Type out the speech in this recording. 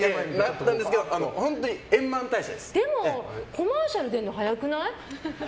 でも、コマーシャル出るの早くない？